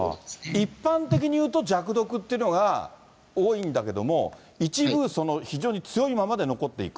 一般的にいうと、弱毒っていうのが多いんだけども、一部その非常に強いままで残っていく。